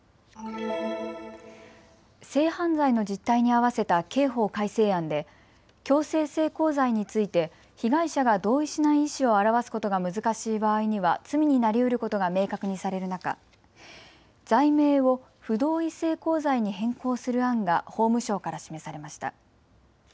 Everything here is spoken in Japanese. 性犯罪の実態に合わせた刑法改正案で強制性交罪について被害者が同意しない意思を表すことが難しい場合には罪になりうることが明確にされる中、罪名を不同意性交罪に変更する案が法務省から示されました。